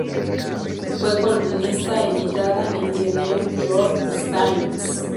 Fue columnista invitada en "The New York Times.